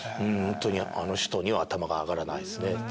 ホントにあの人には頭が上がらないですね。